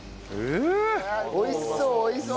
おいしそうおいしそう！